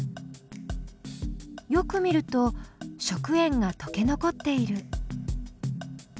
よく見ると食塩がとけ残っている。